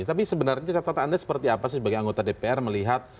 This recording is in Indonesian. tapi sebenarnya catatan anda seperti apa sih sebagai anggota dpr melihat